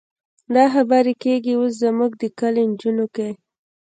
دا خبرې کېږي اوس زموږ د کلي نجونو کې.